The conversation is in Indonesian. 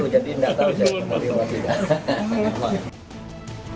jadi tidak tahu saya mau maju atau tidak